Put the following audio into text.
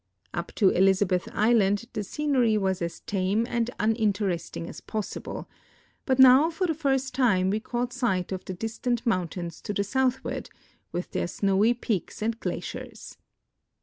Up to Elizabeth island the scenery Avas as tame and un interesting as possible, but noAv for the first time we caught sight of the distant mountains to the soutliAA^ard, Avith their snoAV}^ ]3eaks and glaciers.